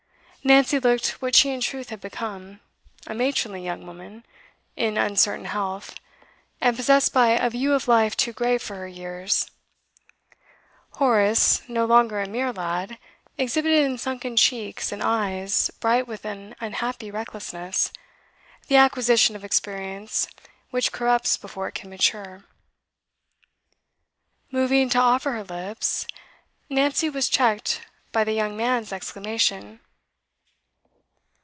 Nancy looked what she in truth had become, a matronly young woman, in uncertain health, and possessed by a view of life too grave for her years; Horace, no longer a mere lad, exhibited in sunken cheeks and eyes bright with an unhappy recklessness, the acquisition of experience which corrupts before it can mature. Moving to offer her lips, Nancy was checked by the young man's exclamation.